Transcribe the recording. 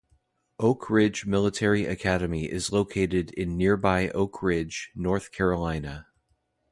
Oak Ridge Military Academy is located in nearby Oak Ridge, North Carolina.